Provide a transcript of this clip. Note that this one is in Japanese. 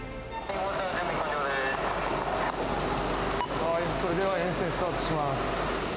はい、それでは延線スタートします。